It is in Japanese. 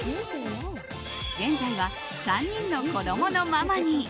現在は３人の子供のママに。